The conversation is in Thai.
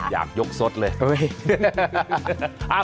อยากยกสดเลย